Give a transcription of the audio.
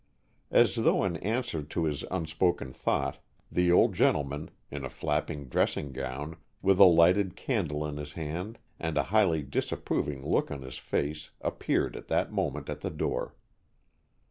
As though in answer to his unspoken thought, the old gentleman, in a flapping dressing gown, with a lighted candle in his hand and a highly disapproving look on his face appeared at that moment at the door.